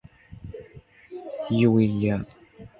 伊维耶尔。